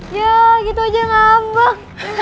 ya gitu aja ngambek